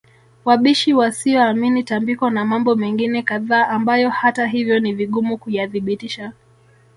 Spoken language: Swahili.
wabishi wasioamini tambiko na mambo mengine kadhaa ambayo hata hivyo ni vigumu kuyathibitisha